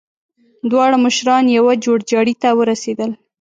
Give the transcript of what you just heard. دواړه مشران يوه جوړجاړي ته ورسېدل.